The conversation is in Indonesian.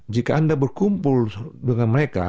jika anda berkumpul dengan mereka